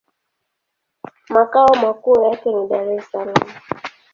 Makao makuu yake ni Dar-es-Salaam.